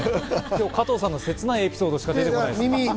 加藤さんのせつないエピソードしか出てこない。